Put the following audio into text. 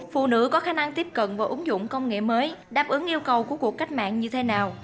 phụ nữ có khả năng tiếp cận và ứng dụng công nghệ mới đáp ứng yêu cầu của cuộc cách mạng như thế nào